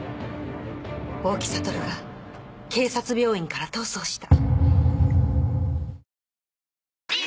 大木悟が警察病院から逃走した。